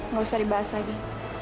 nggak usah dibahas lagi